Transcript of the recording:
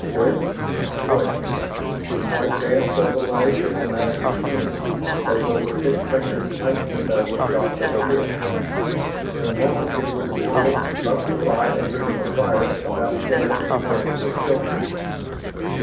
Flick, flick, the slight dance of the lash in a master's hand as those thick fingers tightened about the stock of the whip. In a moment it would whirl up to lay a ribbon of fire about Shann's defenceless shoulders.